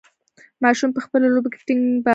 ماشوم په خپلې لوبې کې ټینګ باور درلود.